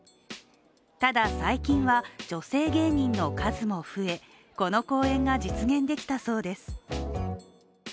ただ、最近は女性芸人の数も増えこの公演が実現できたそうです。